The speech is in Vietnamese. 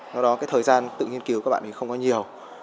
do đó thời gian tự nghiên cứu các bạn không có nhiều